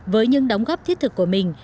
với những đóng góp thiết thực của mình